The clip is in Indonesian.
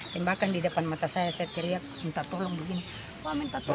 tembakan di depan mata saya saya teriak minta tolong begini